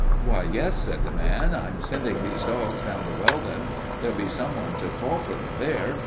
"Why, yes," said the man. "I'm sending these dogs down to Welden. There'll be someone to call for them there.